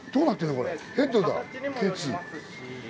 これヘッドだＫ２。